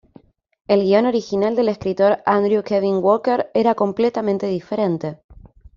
El guion original del escritor Andrew Kevin Walker era completamente diferente.